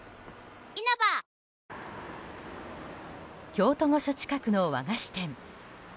京都御所近くの和菓子店。